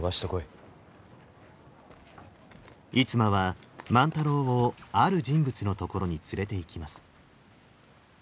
逸馬は万太郎をある人物のところに連れていきます。